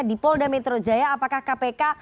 di polda metro jaya apakah kpk